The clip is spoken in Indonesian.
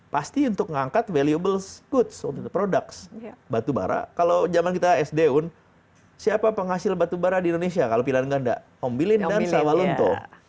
pasti untuk ngangkat valuable goods all the products batu bara kalau jaman kita sd siapa penghasil batu bara di indonesia kalau pilihan ganda om bilin dan sawalunto